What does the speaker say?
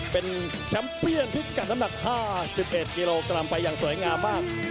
เป็นแชมป์เปี้ยนพิกัดน้ำหนัก๕๑กิโลกรัมไปอย่างสวยงามมาก